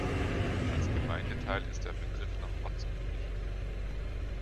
Als Gemeindeteil ist der Begriff noch ortsüblich.